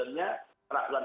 kewenangan kita nah problemnya